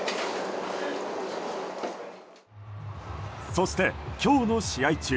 そして今日の試合中